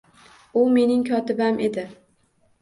U mening kotibam edi